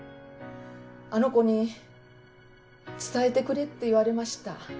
あの子に「伝えてくれ」って言われました。